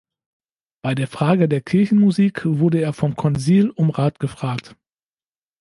Bei der Frage der Kirchenmusik wurde er vom Konzil um Rat gefragt.